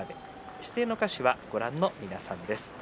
出演の歌手は、ご覧の皆さんです。